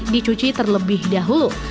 dicuci terlebih dahulu